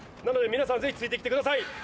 なので皆さんぜひついて来てください。